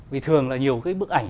vì thường là nhiều cái bức ảnh